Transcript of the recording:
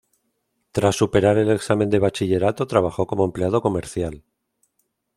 Tras superar el examen de bachillerato trabajó como empleado comercial.